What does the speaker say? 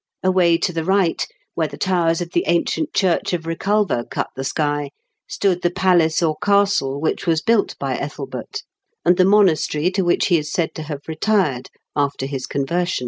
Away to the right, where the towers of the ancient church of Eeculver cut the sky, stood the palace or castle which was built by Ethelbert, and the monastery to which he is said to have retired after his conversion.